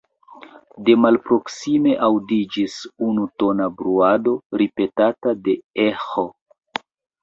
De malproksime aŭdiĝis unutona bruado, ripetata de eĥo.